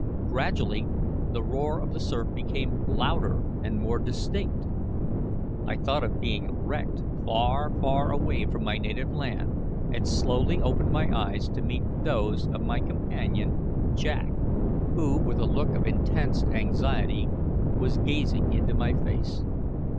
Gradually the roar of the surf became louder and more distinct. I thought of being wrecked far, far away from my native land, and slowly opened my eyes to meet those of my companion Jack, who, with a look of intense anxiety, was gazing into my face.